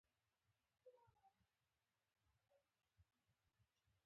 رڼا د حق بڼه لري.